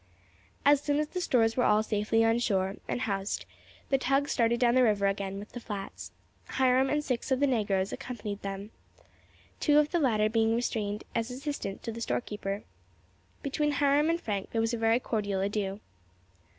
As soon as the stores were all safely on shore and housed, the tug started down the river again with the flats; Hiram and six of the negroes accompanied them, two of the latter being retained as assistants to the storekeeper. Between Hiram and Frank there was a very cordial adieu.